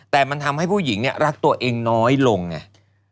แต่มันทำให้ผู้หญิงเนี่ยรักตัวเองน้อยลงไง